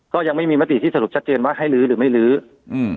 ก็ยังไม่มีมติที่สรุปชัดเจนว่าให้ลื้อหรือไม่ลื้ออืม